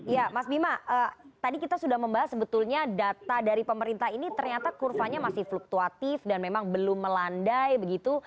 ya mas bima tadi kita sudah membahas sebetulnya data dari pemerintah ini ternyata kurvanya masih fluktuatif dan memang belum melandai begitu